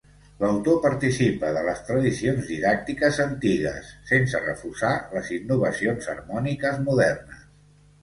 L'autor participa de les tradicions didàctiques antigues, sense refusar les innovacions harmòniques modernes.